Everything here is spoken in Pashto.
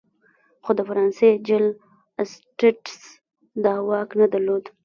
خو د فرانسې جل اسټټس دا واک نه درلود.